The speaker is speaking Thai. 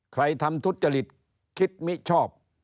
ใครทำทุจริตคิดมิชอบ